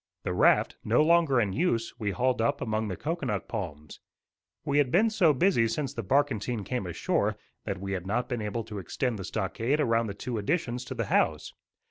The raft, no longer in use, we hauled up among the cocoanut palms. We had been so busy since the barkentine came ashore that we had not been able to extend the stockade around the two additions to the house.